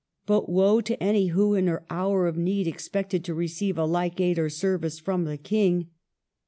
But woe to any who, in her hour of need, ex pected to receive a like aid or service from the King.